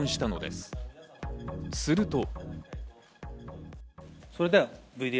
すると。